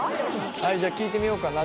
じゃあ聞いてみようかな。